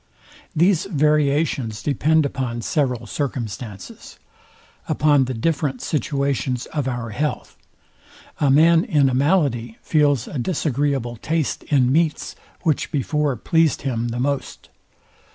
These variations depend upon several circumstances. Upon the different situations of our health: A man in a malady feels a disagreeable taste in meats, which before pleased him the most.